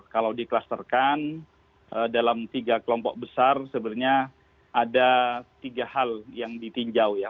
kalau diklasterkan dalam tiga kelompok besar sebenarnya ada tiga hal yang ditinjau ya